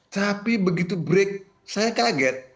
tapi begitu break saya kaget